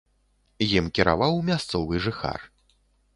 Ім кіраваў мясцовы жыхар.